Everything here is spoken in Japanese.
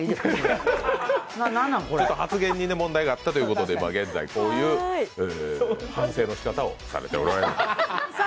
ちょっと発言に問題があったということで、現在こういう反省のしかたをされておられる。